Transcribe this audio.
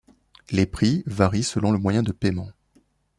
Les prix varient selon le moyen de payement.